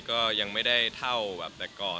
ก็ยังไม่ได้เท่าแบบแต่ก่อน